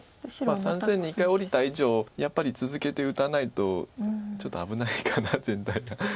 ３線に一回下りた以上やっぱり続けて打たないとちょっと危ないかな全体が。